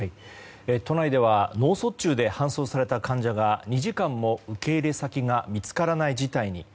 都内では脳卒中で搬送された患者が２時間も受け入れ先が見つからない事態に。